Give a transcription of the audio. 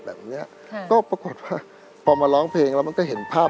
แบบเนี้ยค่ะก็ปรากฏว่าพอมาร้องเพลงแล้วมันก็เห็นภาพ